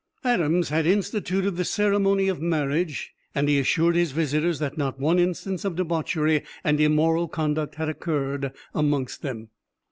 Adams had instituted the ceremony of marriage, and he assured his visitors that not one instance of debauchery and immoral conduct had occurred amongst them.